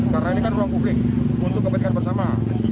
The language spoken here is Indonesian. karena ini kan ruang publik untuk kebaikan bersama